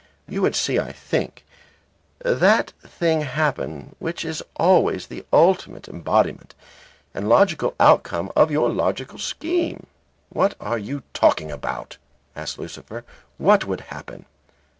You would see, I think, that thing happen which is always the ultimate embodiment and logical outcome of your logical scheme." "What are you talking about?" asked Lucifer. "What would happen?"